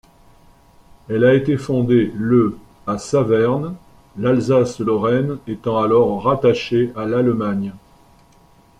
Elle a été fondée le à Saverne, l'Alsace-Lorraine étant alors rattachée à l'Allemagne.